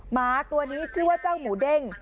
หมาตัวนี้ชื่อว่าเจ้าหมูเด้ง